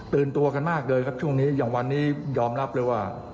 ตัวกันมากเลยครับช่วงนี้อย่างวันนี้ยอมรับเลยว่า